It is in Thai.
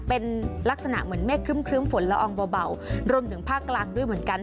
เป็นลักษณะเหมือนเมฆครึ้มฝนละอองเบารวมถึงภาคกลางด้วยเหมือนกัน